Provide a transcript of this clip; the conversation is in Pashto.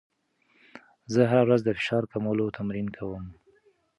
زه هره ورځ د فشار کمولو تمرین کوم.